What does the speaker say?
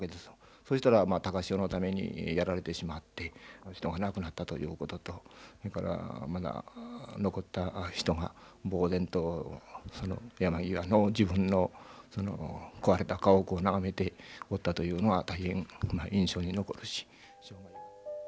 そしたら高潮のためにやられてしまって人が亡くなったということとそれからまだ残った人がぼう然と山際の自分の壊れた家屋を眺めておったというのは大変印象に残るし。